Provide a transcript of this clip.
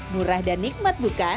murah dan nikmat bukan